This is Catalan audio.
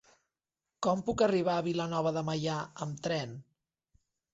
Com puc arribar a Vilanova de Meià amb tren?